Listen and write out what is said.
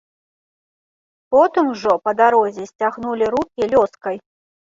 Потым ужо, па дарозе, сцягнулі рукі лёскай.